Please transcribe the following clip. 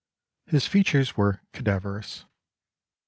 His features were 'cadaverous.